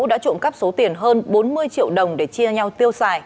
đã trộm cắp số tiền hơn bốn mươi triệu đồng để chia nhau